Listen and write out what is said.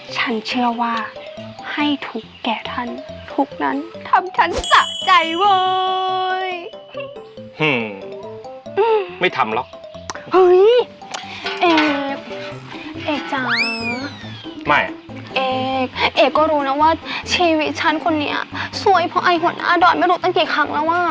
ฉันเชื่อว่าให้ทุกแก่ทันทุกนั้นทำฉันสะใจเว้ย